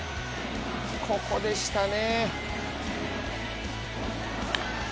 ここでしたね。